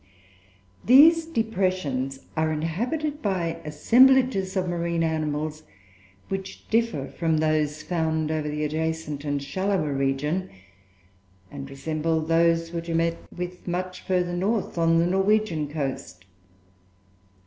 These depressions are inhabited by assemblages of marine animals, which differ from those found over the adjacent and shallower region, and resemble those which are met with much farther north, on the Norwegian coast.